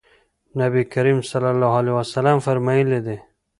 نبي کريم صلی الله عليه وسلم فرمايلي دي: